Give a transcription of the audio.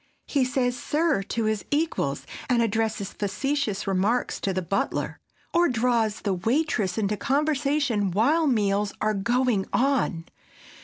He says "sir," to his equals, and addresses facetious remarks to the butler, or draws the waitress into conversation while meals are going on.